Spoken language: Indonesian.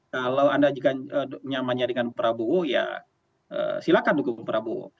kalau anda nyamannya dengan prabowo ya silakan mendukung prabowo